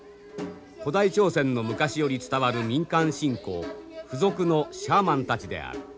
古代朝鮮の昔より伝わる民間信仰巫俗のシャーマンたちである。